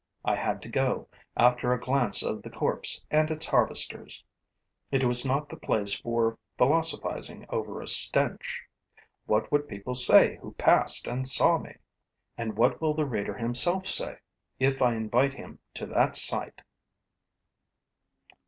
I had to go, after a glance at the corpse and its harvesters. It was not the place for philosophizing over a stench. What would people say who passed and saw me! And what will the reader himself say, if I invite him to that sight?